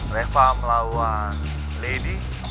reva melawan lady